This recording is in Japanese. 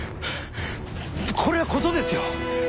これは事ですよ。